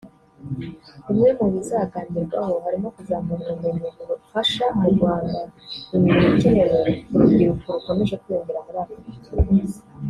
Bimwe mu bizaganirwamo harimo kuzamura ubumenyi bufasha mu guhanga imirimo ikenewe ku rubyiruko rukomeje kwiyongera muri Afurika